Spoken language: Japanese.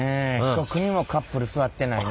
一組もカップル座ってないね。